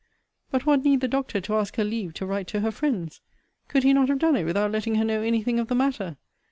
But what need the doctor to ask her leave to write to her friends? Could he not have done it without letting her know any thing of the matter?